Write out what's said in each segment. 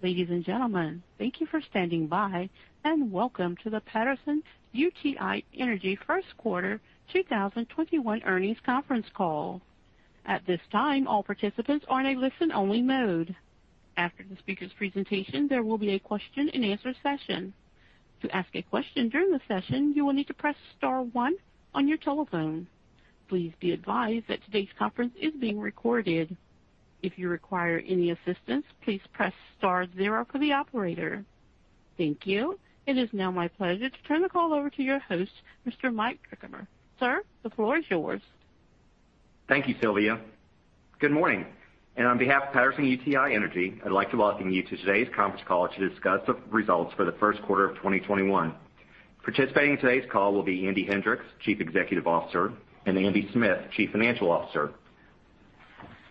Ladies and gentlemen, thank you for standing by and welcome to the Patterson-UTI Energy first quarter 2021 earnings conference call. At this time, all participants are in a listen-only mode. After the speaker's presentation, there will be a question-and-answer session. To ask a question during the session, you will need to press star one on your telephone. Please be advised that today's conference is being recorded. If you require any assistance, please press star zero for the operator. Thank you. It is now my pleasure to turn the call over to your host, Mr. Mike Drickamer. Sir, the floor is yours. Thank you, Sylvia. Good morning, and on behalf of Patterson-UTI Energy, I'd like to welcome you to today's conference call to discuss the results for the first quarter of 2021. Participating in today's call will be Andy Hendricks, Chief Executive Officer, and Andy Smith, Chief Financial Officer.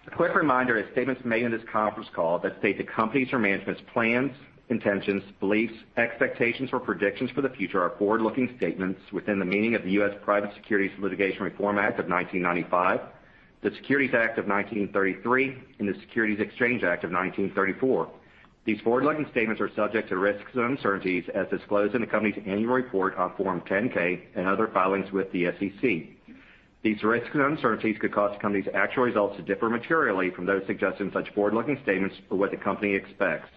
A quick reminder of statements made on this conference call that state the company's or management's plans, intentions, beliefs, expectations, or predictions for the future are forward-looking statements within the meaning of the U.S. Private Securities Litigation Reform Act of 1995, the Securities Act of 1933, and the Securities Exchange Act of 1934. These forward-looking statements are subject to risks and uncertainties as disclosed in the company's annual report on Form 10-K and other filings with the SEC. These risks and uncertainties could cause the company's actual results to differ materially from those suggested in such forward-looking statements or what the company expects.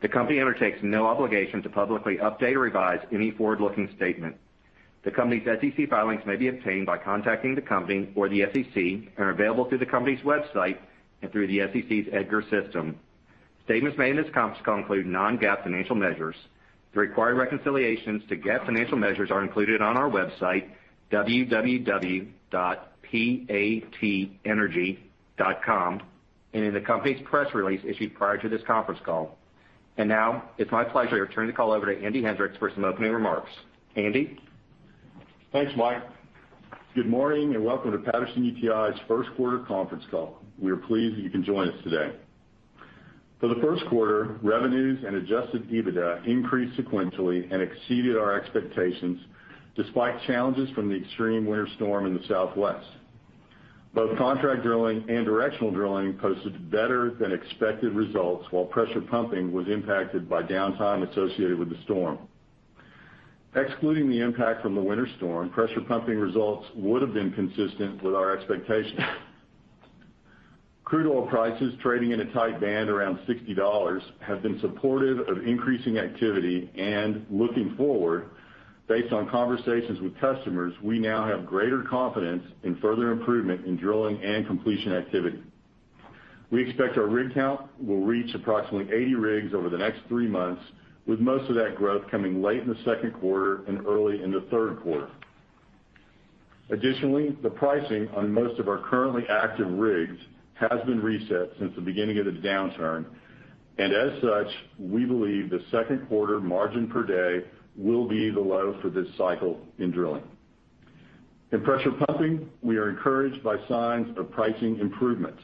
The company undertakes no obligation to publicly update or revise any forward-looking statement. The company's SEC filings may be obtained by contacting the company or the SEC and are available through the company's website and through the SEC's EDGAR system. Statements made in this conference call include non-GAAP financial measures. The required reconciliations to GAAP financial measures are included on our website, www.patenergy.com, and in the company's press release issued prior to this conference call. Now it's my pleasure to turn the call over to Andy Hendricks for some opening remarks. Andy? Thanks, Mike. Good morning, and welcome to Patterson-UTI's first quarter conference call. We are pleased that you can join us today. For the first quarter, revenues and adjusted EBITDA increased sequentially and exceeded our expectations despite challenges from the extreme winter storm in the Southwest. Both contract drilling and directional drilling posted better than expected results while pressure pumping was impacted by downtime associated with the storm. Excluding the impact from the winter storm, pressure pumping results would've been consistent with our expectations. Crude oil prices trading in a tight band around $60 have been supportive of increasing activity and looking forward, based on conversations with customers, we now have greater confidence in further improvement in drilling and completion activity. We expect our rig count will reach approximately 80 rigs over the next three months, with most of that growth coming late in the second quarter and early in the third quarter. Additionally, the pricing on most of our currently active rigs has been reset since the beginning of the downturn. As such, we believe the second quarter margin per day will be the low for this cycle in drilling. In pressure pumping, we are encouraged by signs of pricing improvements.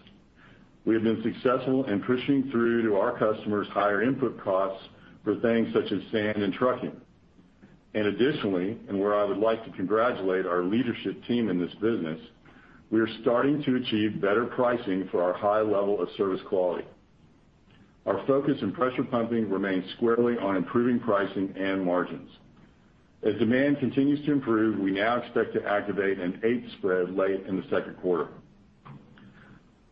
We have been successful in pushing through to our customers higher input costs for things such as sand and trucking. Additionally, and where I would like to congratulate our leadership team in this business, we are starting to achieve better pricing for our high level of service quality. Our focus in pressure pumping remains squarely on improving pricing and margins. As demand continues to improve, we now expect to activate an eighth spread late in the second quarter.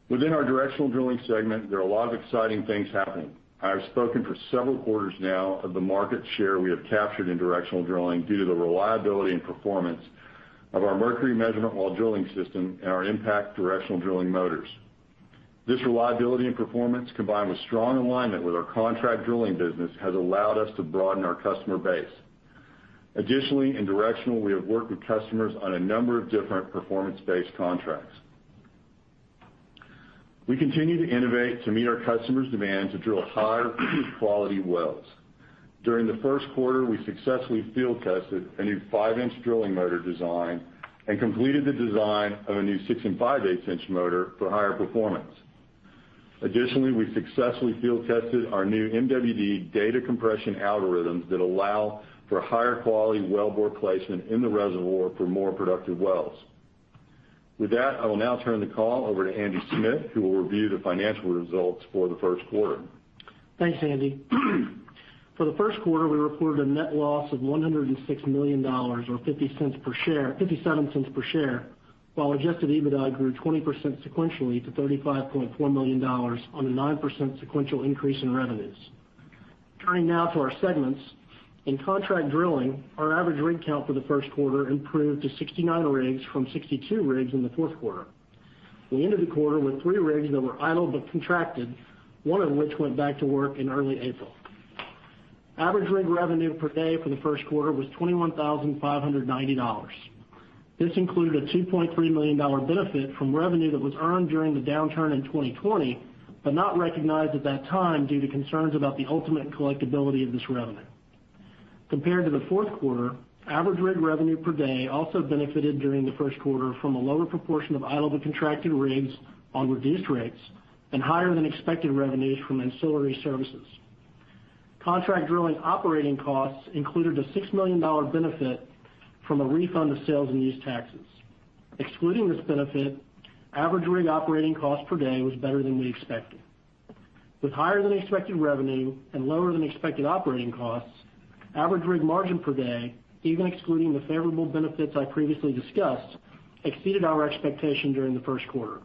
Within our directional drilling segment, there are a lot of exciting things happening. I've spoken for several quarters now of the market share we have captured in directional drilling due to the reliability and performance of our Mercury measurement while drilling system and our MPact directional drilling motors. This reliability and performance, combined with strong alignment with our contract drilling business, has allowed us to broaden our customer base. Additionally, in directional, we have worked with customers on a number of different performance-based contracts. We continue to innovate to meet our customers' demand to drill higher quality wells. During the first quarter, we successfully field tested a new 5-inch drilling motor design and completed the design of a new six and 5/8-inch motor for higher performance. Additionally, we successfully field tested our new MWD data compression algorithms that allow for higher quality well bore placement in the reservoir for more productive wells. With that, I will now turn the call over to Andy Smith, who will review the financial results for the first quarter. Thanks, Andy. For the first quarter, we reported a net loss of $106 million or $0.57 per share, while adjusted EBITDA grew 20% sequentially to $35.4 million on a 9% sequential increase in revenues. Turning now to our segments. In contract drilling, our average rig count for the first quarter improved to 69 rigs from 62 rigs in the fourth quarter. We ended the quarter with three rigs that were idle but contracted, one of which went back to work in early April. Average rig revenue per day for the first quarter was $21,590. This included a $2.3 million benefit from revenue that was earned during the downturn in 2020, but not recognized at that time due to concerns about the ultimate collectability of this revenue. Compared to the fourth quarter, average rig revenue per day also benefited during the first quarter from a lower proportion of idle but contracted rigs on reduced rates and higher than expected revenues from ancillary services. Contract drilling operating costs included a $6 million benefit from a refund of sales and use taxes. Excluding this benefit, average rig operating cost per day was better than we expected. With higher than expected revenue and lower than expected operating costs, average rig margin per day, even excluding the favorable benefits I previously discussed, exceeded our expectation during the first quarter.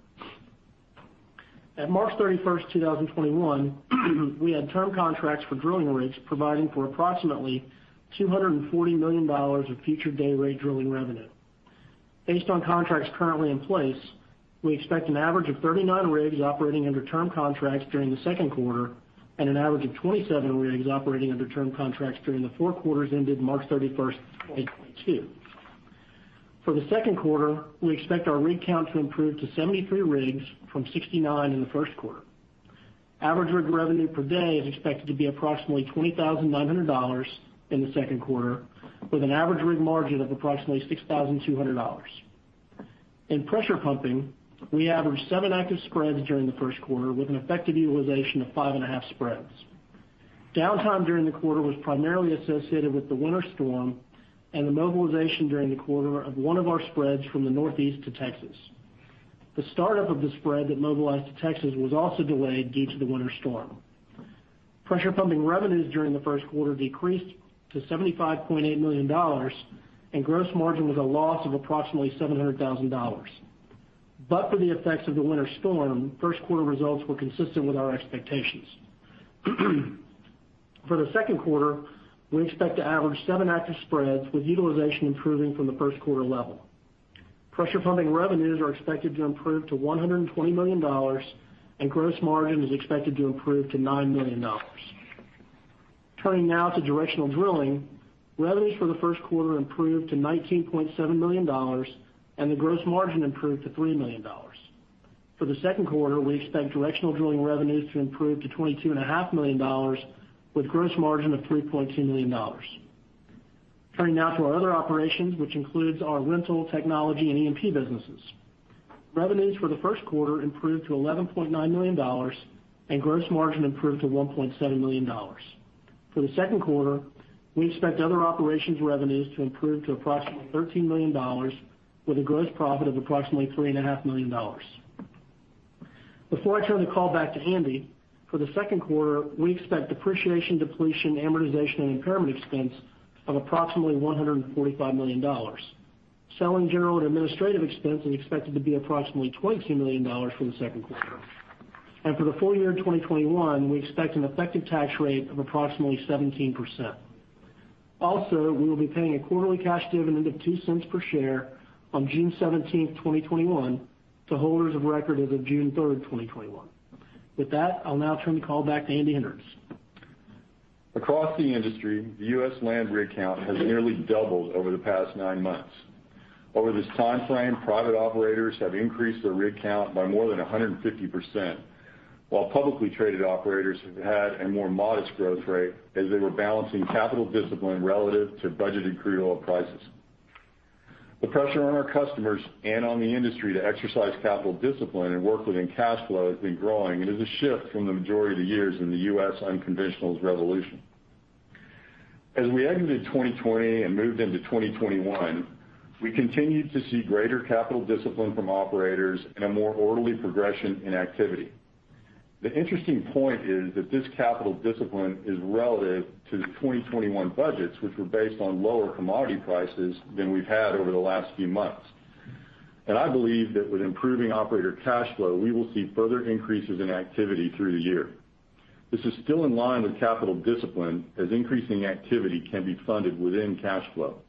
At March 31st, 2021, we had term contracts for drilling rigs providing for approximately $240 million of future dayrate drilling revenue. Based on contracts currently in place, we expect an average of 39 rigs operating under term contracts during the second quarter and an average of 27 rigs operating under term contracts during the four quarters ended March 31st, 2022. For the second quarter, we expect our rig count to improve to 73 rigs from 69 in the first quarter. Average rig revenue per day is expected to be approximately $20,900 in the second quarter, with an average rig margin of approximately $6,200. In pressure pumping, we averaged seven active spreads during the first quarter with an effective utilization of five and a half spreads. Downtime during the quarter was primarily associated with the winter storm and the mobilization during the quarter of one of our spreads from the Northeast to Texas. The startup of the spread that mobilized to Texas was also delayed due to the winter storm. Pressure pumping revenues during the first quarter decreased to $75.8 million, and gross margin was a loss of approximately $700,000. For the effects of the winter storm, first quarter results were consistent with our expectations. For the second quarter, we expect to average seven active spreads, with utilization improving from the first quarter level. Pressure pumping revenues are expected to improve to $120 million, and gross margin is expected to improve to $9 million. Turning now to directional drilling. Revenues for the first quarter improved to $19.7 million, and the gross margin improved to $3 million. For the second quarter, we expect directional drilling revenues to improve to $22.5 million, with gross margin of $3.2 million. Turning now to our other operations, which includes our rental, technology, and E&P businesses. Revenues for the first quarter improved to $11.9 million, and gross margin improved to $1.7 million. For the second quarter, we expect other operations revenues to improve to approximately $13 million, with a gross profit of approximately $3.5 million. Before I turn the call back to Andy, for the second quarter, we expect depreciation, depletion, amortization, and impairment expense of approximately $145 million. Selling, general, and administrative expense is expected to be approximately $22 million for the second quarter. For the full-year 2021, we expect an effective tax rate of approximately 17%. Also, we will be paying a quarterly cash dividend of $0.02 per share on June 17th, 2021, to holders of record as of June 3rd, 2021. With that, I'll now turn the call back to Andy Hendricks. Across the industry, the U.S. land rig count has nearly doubled over the past nine months. Over this timeframe, private operators have increased their rig count by more than 150%, while publicly traded operators have had a more modest growth rate as they were balancing capital discipline relative to budgeted crude oil prices. The pressure on our customers and on the industry to exercise capital discipline and work within cash flow has been growing and is a shift from the majority of the years in the U.S. unconventionals revolution. As we exited 2020 and moved into 2021, we continued to see greater capital discipline from operators and a more orderly progression in activity. The interesting point is that this capital discipline is relative to the 2021 budgets, which were based on lower commodity prices than we've had over the last few months. I believe that with improving operator cash flow, we will see further increases in activity through the year. This is still in line with capital discipline, as increasing activity can be funded within cash flow.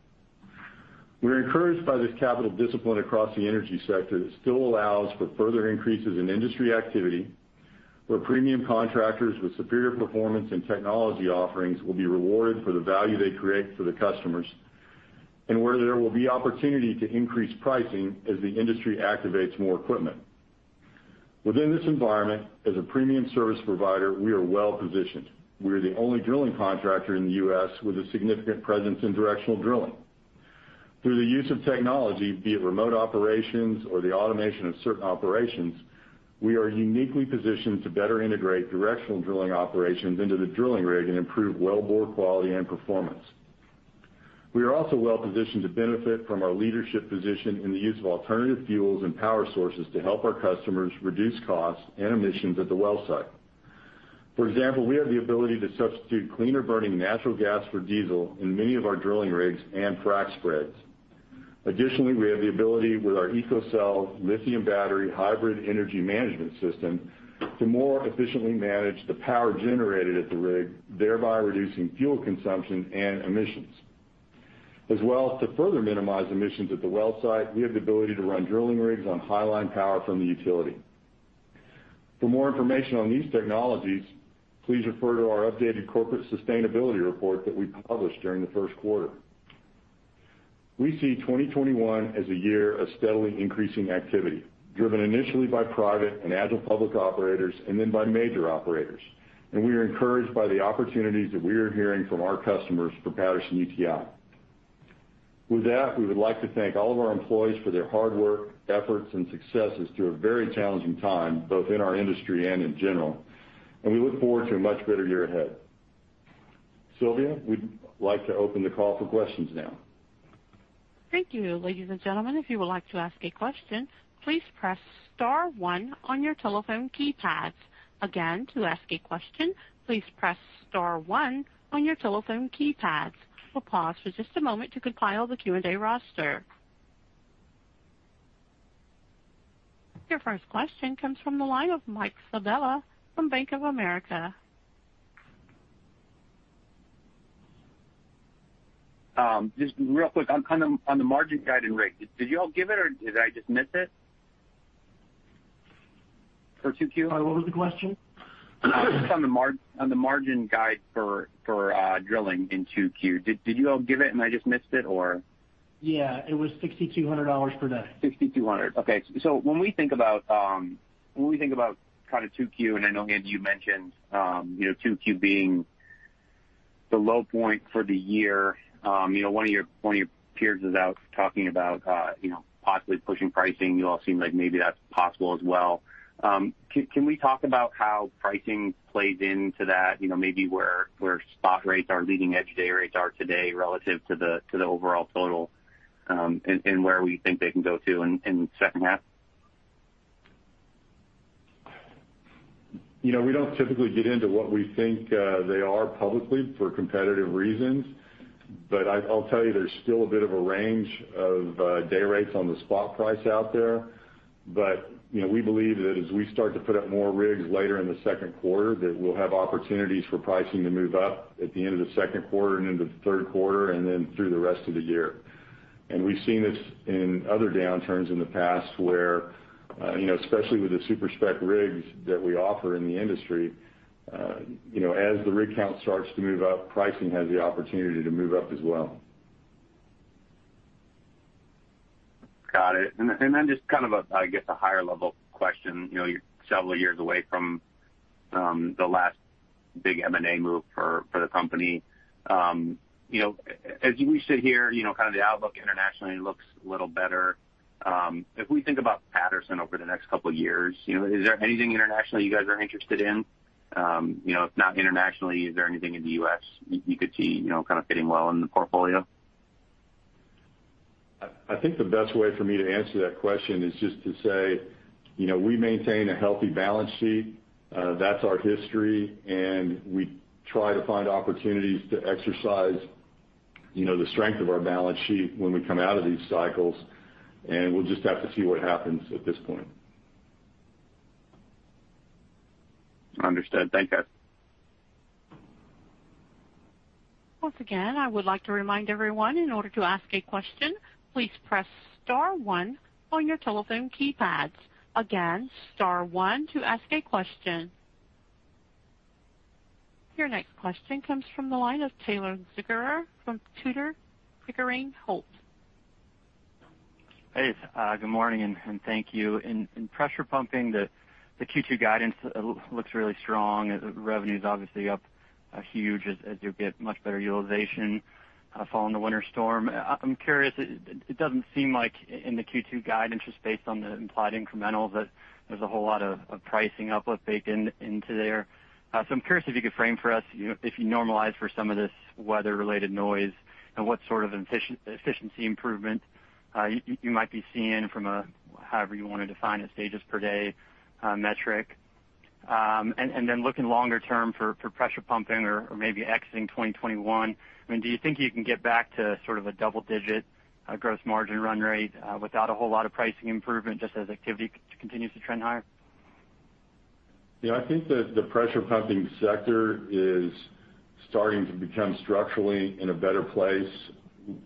We're encouraged by this capital discipline across the energy sector that still allows for further increases in industry activity, where premium contractors with superior performance and technology offerings will be rewarded for the value they create for the customers, and where there will be opportunity to increase pricing as the industry activates more equipment. Within this environment, as a premium service provider, we are well-positioned. We are the only drilling contractor in the U.S. with a significant presence in directional drilling. Through the use of technology, be it remote operations or the automation of certain operations, we are uniquely positioned to better integrate directional drilling operations into the drilling rig and improve well bore quality and performance. We are also well-positioned to benefit from our leadership position in the use of alternative fuels and power sources to help our customers reduce costs and emissions at the well site. For example, we have the ability to substitute cleaner-burning natural gas for diesel in many of our drilling rigs and frac spreads. Additionally, we have the ability with our EcoCell lithium battery hybrid energy management system to more efficiently manage the power generated at the rig, thereby reducing fuel consumption and emissions. As well, to further minimize emissions at the well site, we have the ability to run drilling rigs on highline power from the utility. For more information on these technologies, please refer to our updated corporate sustainability report that we published during the first quarter. We see 2021 as a year of steadily increasing activity, driven initially by private and agile public operators and then by major operators, and we are encouraged by the opportunities that we are hearing from our customers for Patterson-UTI. With that, we would like to thank all of our employees for their hard work, efforts, and successes through a very challenging time, both in our industry and in general, and we look forward to a much better year ahead. Sylvia, we'd like to open the call for questions now. Thank you. Ladies and gentlemen, if you would like to ask a question, please press star one on your telephone keypads. Again, to ask a question, please press star one on your telephone keypads. We'll pause for just a moment to compile the Q&A roster. Your first question comes from the line of Michael Sabella from Bank of America. Just real quick on the margin guidance rate. Did you all give it, or did I just miss it for Q2? What was the question? Just on the margin guide for drilling in Q2. Did you all give it, and I just missed it, or? Yeah. It was $6,200 per day. $6,200. Okay. When we think about kind of 2Q, and I know, Andy, you mentioned 2Q being the low point for the year. One of your peers is out talking about possibly pushing pricing. You all seem like maybe that's possible as well. Can we talk about how pricing plays into that? Maybe where spot rates are leading-edge day rates are today relative to the overall total, and where we think they can go to in the second half. We don't typically get into what we think they are publicly for competitive reasons, I'll tell you, there's still a bit of a range of day rates on the spot price out there. We believe that as we start to put up more rigs later in the second quarter, that we'll have opportunities for pricing to move up at the end of the second quarter and into the third quarter, and then through the rest of the year. We've seen this in other downturns in the past where, especially with the super-spec rigs that we offer in the industry, as the rig count starts to move up, pricing has the opportunity to move up as well. Got it. Just kind of I guess, a higher-level question. You're several years away from the last big M&A move for the company. As we sit here, kind of the outlook internationally looks a little better. If we think about Patterson over the next couple of years, is there anything internationally you guys are interested in? If not internationally, is there anything in the U.S. you could see kind of fitting well in the portfolio? I think the best way for me to answer that question is just to say, we maintain a healthy balance sheet. That's our history, and we try to find opportunities to exercise the strength of our balance sheet when we come out of these cycles, and we'll just have to see what happens at this point. Understood. Thank you. Once again, I would like to remind everyone in order to ask a question, please press star one on your telephone keypads. Again, star one to ask a question. Your next question comes from the line of Taylor Zukor from Tudor, Pickering, Holt. Hey, good morning, and thank you. In pressure pumping, the Q2 guidance looks really strong. Revenue's obviously up huge as you get much better utilization following the winter storm. I'm curious, it doesn't seem like in the Q2 guidance, just based on the implied incrementals, that there's a whole lot of pricing uplift baked into there. I'm curious if you could frame for us, if you normalize for some of this weather-related noise and what sort of efficiency improvement you might be seeing from a, however you want to define it, stages per day metric. Looking longer term for pressure pumping or maybe exiting 2021, do you think you can get back to sort of a double-digit gross margin run rate without a whole lot of pricing improvement, just as activity continues to trend higher? Yeah, I think that the pressure pumping sector is starting to become structurally in a better place.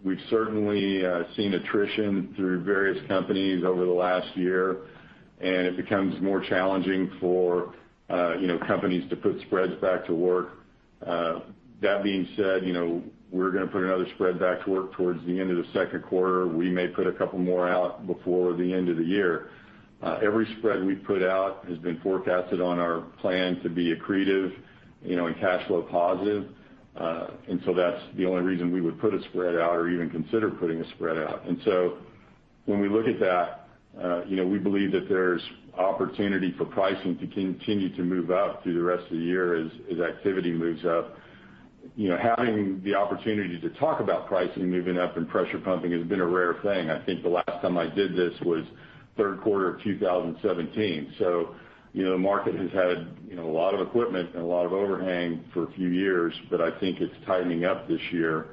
We've certainly seen attrition through various companies over the last year, and it becomes more challenging for companies to put spreads back to work. That being said, we're going to put another spread back to work towards the end of the second quarter. We may put a couple more out before the end of the year. Every spread we put out has been forecasted on our plan to be accretive and cash flow positive. So that's the only reason we would put a spread out or even consider putting a spread out. So when we look at that, we believe that there's opportunity for pricing to continue to move up through the rest of the year as activity moves up. Having the opportunity to talk about pricing moving up in pressure pumping has been a rare thing. I think the last time I did this was third quarter of 2017. The market has had a lot of equipment and a lot of overhang for a few years, but I think it's tightening up this year.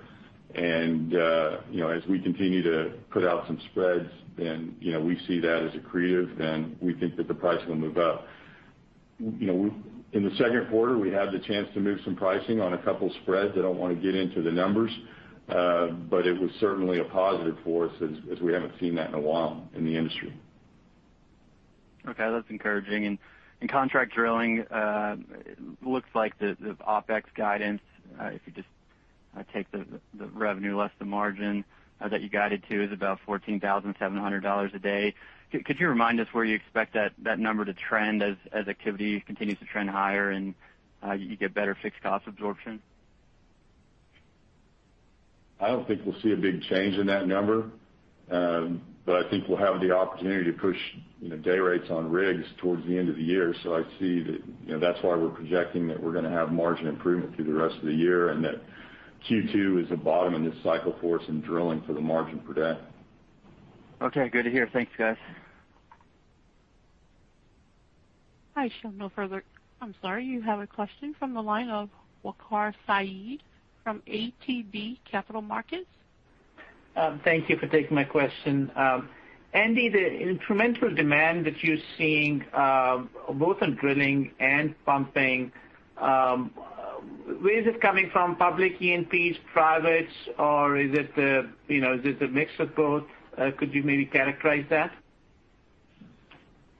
As we continue to put out some spreads and we see that as accretive, then we think that the price will move up. In the second quarter, we had the chance to move some pricing on a couple spreads. I don't want to get into the numbers. It was certainly a positive for us, as we haven't seen that in a while in the industry. Okay. That's encouraging. In contract drilling, looks like the OpEx guidance, if you just take the revenue less the margin that you guided to, is about $14,700 a day. Could you remind us where you expect that number to trend as activity continues to trend higher and you get better fixed cost absorption? I don't think we'll see a big change in that number. I think we'll have the opportunity to push day rates on rigs towards the end of the year. I see that's why we're projecting that we're going to have margin improvement through the rest of the year, and that Q2 is the bottom in this cycle for us in drilling for the margin per day. Okay, good to hear. Thanks, guys. I'm sorry, you have a question from the line of Waqar Syed from ATB Capital Markets. Thank you for taking my question. Andy, the incremental demand that you're seeing, both on drilling and pumping, where is it coming from, public E&Ps, privates, or is this a mix of both? Could you maybe characterize that?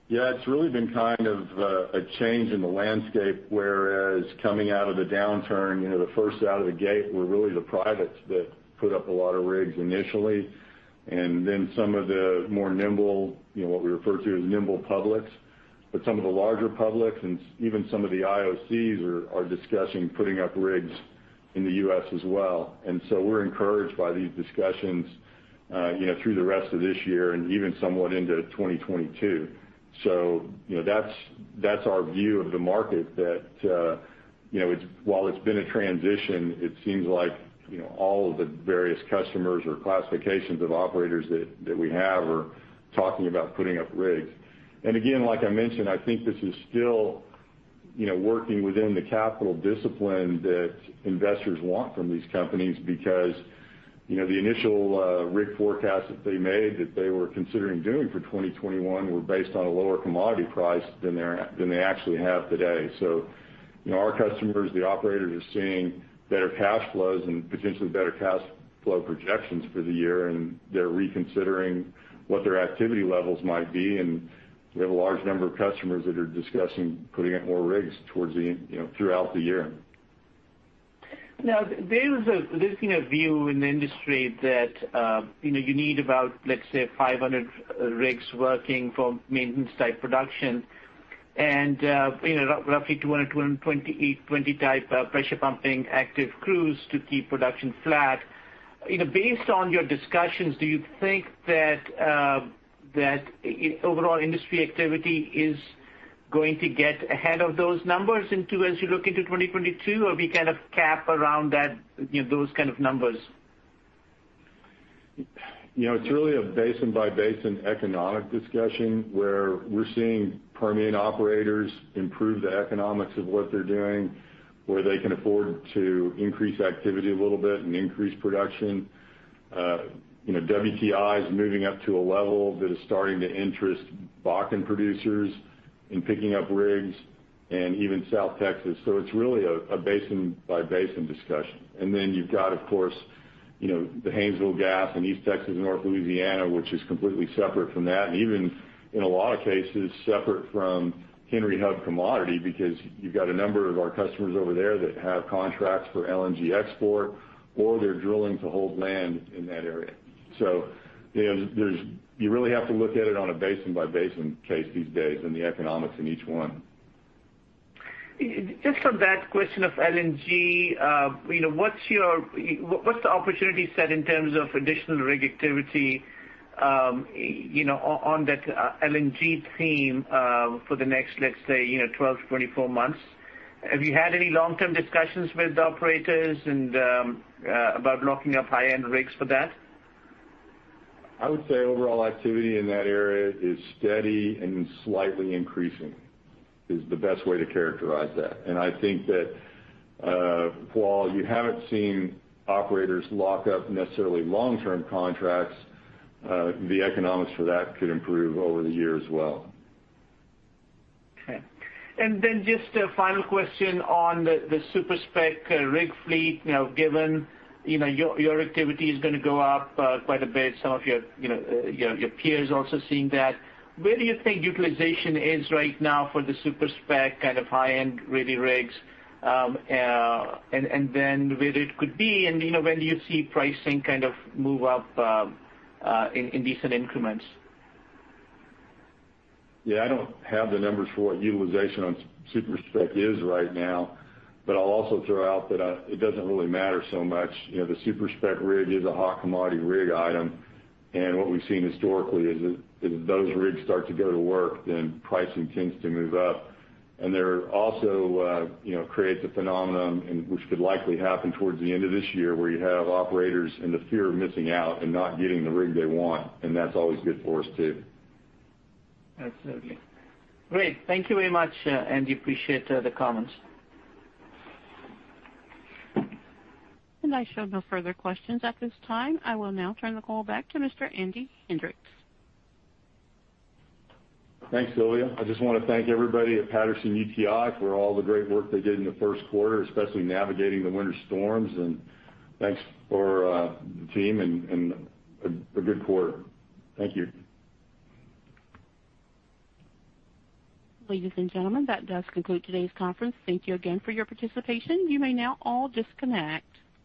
Yeah. It's really been kind of a change in the landscape, whereas coming out of the downturn, the first out of the gate were really the privates that put up a lot of rigs initially, and then some of the more nimble, what we refer to as nimble publics. Some of the larger publics and even some of the IOCs are discussing putting up rigs in the U.S. as well. We're encouraged by these discussions, through the rest of this year and even somewhat into 2022. That's our view of the market that, while it's been a transition, it seems like all of the various customers or classifications of operators that we have are talking about putting up rigs. Again, like I mentioned, I think this is still working within the capital discipline that investors want from these companies because the initial rig forecast that they made, that they were considering doing for 2021, were based on a lower commodity price than they actually have today. Our customers, the operators, are seeing better cash flows and potentially better cash flow projections for the year, and they're reconsidering what their activity levels might be, and we have a large number of customers that are discussing putting up more rigs throughout the year. There's been a view in the industry that you need about, let's say, 500 rigs working for maintenance type production and roughly 228, 220 type pressure pumping active crews to keep production flat. Based on your discussions, do you think that overall industry activity is going to get ahead of those numbers as you look into 2022, or we kind of cap around those kind of numbers? It's really a basin-by-basin economic discussion, where we're seeing Permian operators improve the economics of what they're doing, where they can afford to increase activity a little bit and increase production. WTI is moving up to a level that is starting to interest Bakken producers in picking up rigs and even South Texas. It's really a basin-by-basin discussion. You've got, of course, the Haynesville gas in East Texas and North Louisiana, which is completely separate from that. Even, in a lot of cases, separate from Henry Hub commodity because you've got a number of our customers over there that have contracts for LNG export, or they're drilling to hold land in that area. You really have to look at it on a basin-by-basin case these days and the economics in each one. Just on that question of LNG, what's the opportunity set in terms of additional rig activity on that LNG theme for the next, let's say, 12 -24 months? Have you had any long-term discussions with the operators about locking up high-end rigs for that? I would say overall activity in that area is steady and slightly increasing, is the best way to characterize that. I think that while you haven't seen operators lock up necessarily long-term contracts, the economics for that could improve over the year as well. Okay. Just a final question on the super-spec rig fleet. Given your activity is going to go up quite a bit, some of your peers also seeing that, where do you think utilization is right now for the super-spec kind of high-end ready rigs, and then where it could be, and when do you see pricing kind of move up in decent increments? Yeah. I don't have the numbers for what utilization on super-spec is right now. I'll also throw out that it doesn't really matter so much. The super-spec rig is a hot commodity rig item. What we've seen historically is if those rigs start to go to work, then pricing tends to move up. They also create the phenomenon, which could likely happen towards the end of this year, where you have operators and the fear of missing out and not getting the rig they want, and that's always good for us, too. Absolutely. Great. Thank you very much, Andy. Appreciate the comments. I show no further questions at this time. I will now turn the call back to Mr. Andy Hendricks. Thanks, Lydia. I just want to thank everybody at Patterson-UTI for all the great work they did in the first quarter, especially navigating the winter storms. Thanks for the team and a good quarter. Thank you. Ladies and gentlemen, that does conclude today's conference. Thank you again for your participation. You may now all disconnect.